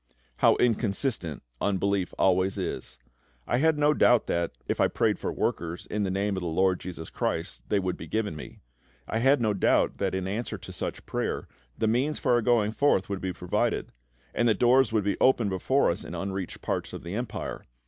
How inconsistent unbelief always is! I had no doubt that, if I prayed for workers, "in the Name" of the LORD JESUS CHRIST, they would be given me. I had no doubt that, in answer to such prayer, the means for our going forth would be provided, and that doors would be opened before us in unreached parts of the Empire.